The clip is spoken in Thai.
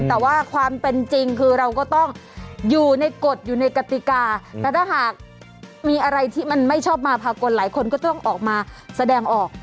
แต่ว่าความเป็นจริงคือเราก็ต้องอยู่ในกฎอยู่ในกติกาแต่ถ้าหากมีอะไรที่มันไม่ชอบมาภากลหลายคนก็ต้องออกมาแสดงออก